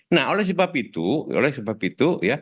nah oleh sebab itu